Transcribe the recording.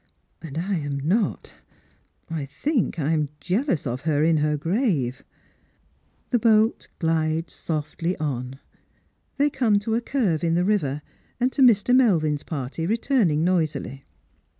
And I am not. I think I am jealous of her in her grave." The boat glides softly on. They come to a curve in the river, and to Mr. iielvin'a party returning noisily.